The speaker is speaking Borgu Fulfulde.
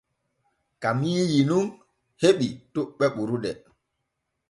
Kamiiyi nun heɓi toɓɓe ɓurɗe.